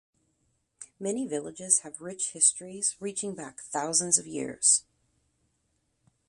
Many villages have rich histories reaching back thousands of years.